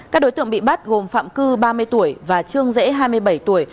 các đối tượng bị bắt gồm phạm cư ba mươi tuổi và trương dễ hai mươi bảy tuổi